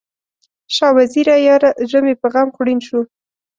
شاه وزیره یاره، زړه مې په غم خوړین شو